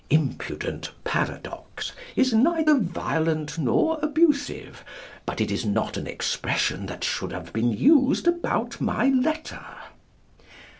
"Impudent paradox" is neither violent not abusive, but it is not an expression that should have been used about my letter.